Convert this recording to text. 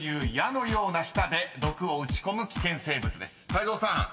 ［泰造さん